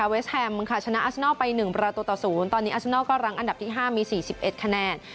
เวสแฮมค่ะชนะอัสนอลไป๑ประตูต่อ๐ตอนนี้อัชนอลก็รั้งอันดับที่๕มี๔๑คะแนน